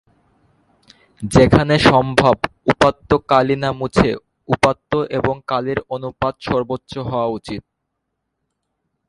যেখানে সম্ভব উপাত্ত কালি না মুছে উপাত্ত এবং কালির অনুপাত সর্বোচ্চ হওয়া উচিত।